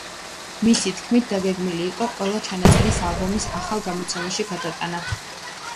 მისი თქმით, დაგეგმილი იყო ყველა ჩანაწერის ალბომის ახალ გამოცემაში შეტანა.